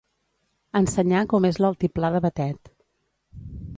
Ensenyar com és l'altiplà de Batet.